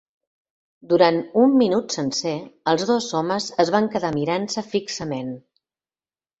Durant un minut sencer, els dos homes es van quedar mirant-se fixament.